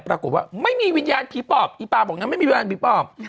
ปรากฏว่าไม่มีวิญญาณผีปอบอีปลาบอกงั้นไม่มีวิญญาณผีปอบ